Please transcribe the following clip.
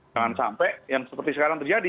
jangan sampai yang seperti sekarang terjadi